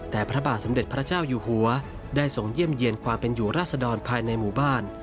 แต่พระบาทสมเด็จพระเจ้าอยู่หัวได้ทรงเยี่ยมเยี่ยนความเป็นอยู่ราศดรภายในหมู่บ้าน